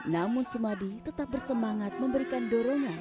namun sumadi tetap bersemangat memberikan dorongan